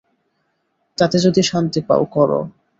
তাতে যদি শান্তি পাও, কর।